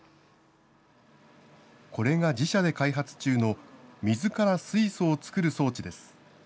これが自社で開発中の水から水素を作る装置です。